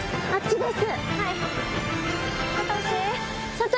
こっちです。